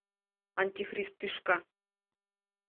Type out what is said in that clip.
— Антихрист тӱшка!